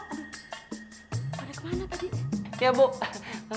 mana kemana tadi